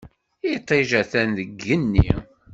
Iṭij atan deg yigenni.